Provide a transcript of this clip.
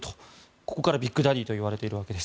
ここから、ビッグダディといわれているわけです。